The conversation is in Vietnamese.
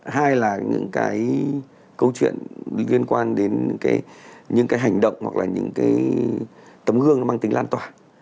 hai là những cái câu chuyện liên quan đến những cái hành động hoặc là những cái tấm gương nó mang tính lan tỏa